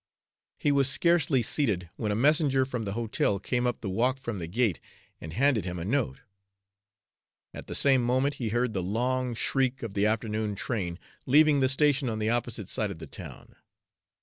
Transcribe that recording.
He was scarcely seated when a messenger from the hotel came up the walk from the gate and handed him a note. At the same moment he heard the long shriek of the afternoon train leaving the station on the opposite side of the town.